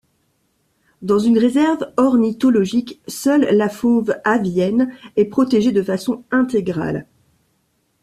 Dans une réserve ornithologique, seule la faune avienne est protégée de façon intégrale.